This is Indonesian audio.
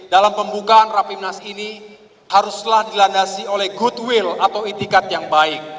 dalam pembukaan rapimnas ini haruslah dilandasi oleh goodwill atau itikat yang baik